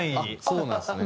そうなんですね。